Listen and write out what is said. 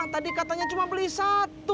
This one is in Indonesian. tadi katanya cuma beli satu